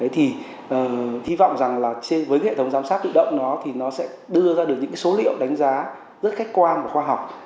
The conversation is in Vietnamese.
thì hy vọng rằng là với hệ thống giám sát tự động nó thì nó sẽ đưa ra được những số liệu đánh giá rất khách quan và khoa học